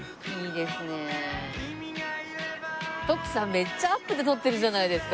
めっちゃアップで撮ってるじゃないですか。